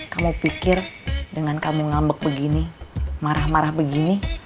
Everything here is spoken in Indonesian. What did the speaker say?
kamu pikir dengan kamu ngambek begini marah marah begini